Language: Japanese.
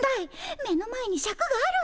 目の前にシャクがあるんだよ。